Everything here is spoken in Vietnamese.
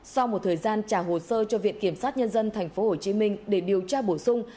sau một thời gian trả hồ sơ cho viện kiểm sát nhân dân tp hcm để điều tra bổ sung